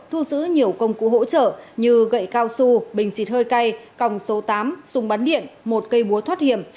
thu giữ nhiều công cụ hỗ trợ như gậy cao su bình xịt hơi cay còng số tám súng bắn điện một cây búa thoát hiểm